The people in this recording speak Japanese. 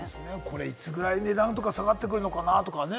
いつぐらいに値段とか下がってくるのかなとかね。